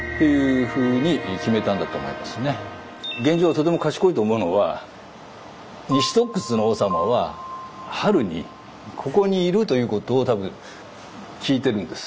とても賢いと思うのは西突厥の王様は春にここにいるということを多分聞いてるんです。